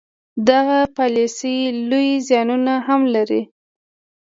دغه پالیسي لوی زیانونه هم لري.